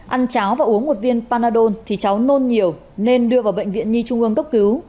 ăn cháo và uống một viên panadon thì cháu nôn nhiều nên đưa vào bệnh viện nhi trung ương cấp cứu